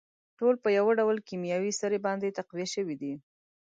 ټول په يوه ډول کيمياوي سرې باندې تقويه شوي دي.